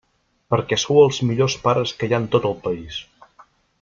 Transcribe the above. Perquè sou els millors pares que hi ha en tot el país!